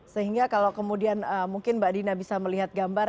sehingga kalau kemudian mungkin mbak dina bisa melihat gambar